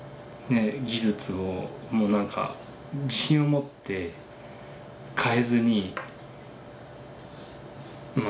え技術をもうなんか自信を持って変えずにまあ